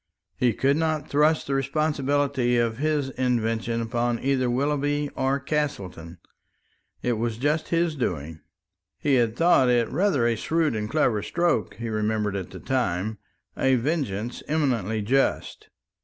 He could not thrust the responsibility of his invention upon either Willoughby or Castleton; it was just his doing. He had thought it rather a shrewd and clever stroke, he remembered at the time a vengeance eminently just.